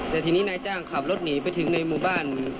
แต่ทีนี้นายจ้างขับรถหนีไปถึงในหมู่บ้าน